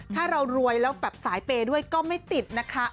ถ้าเรารวยแล้วแบบสายเปย์ด้วยก็ไม่ติดนะคะ